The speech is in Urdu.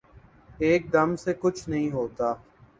ایک دم سے کچھ نہیں ہوتا